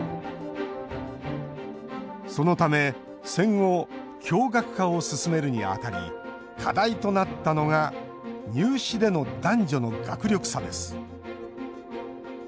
そのため、戦後共学化を進めるにあたり課題となったのが入試での男女の学力差です。